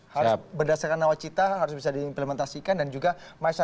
harus berdasarkan nawacita harus bisa diimplementasikan dan juga masyarakat bisa menikmati apa juga